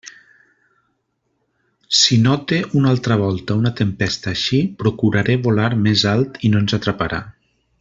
Si note una altra volta una tempesta així, procuraré volar més alt i no ens atraparà.